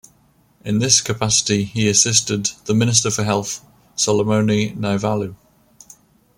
In this capacity, he assisted the Minister for Health, Solomone Naivalu.